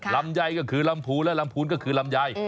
ลำไยก็คือลำพูและลำพูนก็คือลำไย